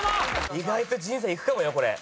意外と陣さんいくかもよこれ。